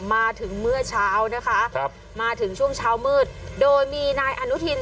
มาถึงเมื่อเช้านะคะครับมาถึงช่วงเช้ามืดโดยมีนายอนุทิน